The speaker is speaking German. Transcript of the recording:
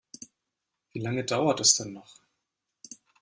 Wie lange dauert es denn noch?